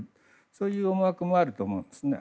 そういう思惑もあると思うんですね。